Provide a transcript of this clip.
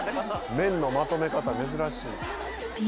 麺のまとめ方珍しい！